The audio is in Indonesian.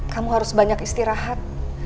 kamu harus banyak istirahat